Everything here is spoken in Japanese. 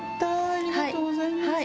ありがとうございます。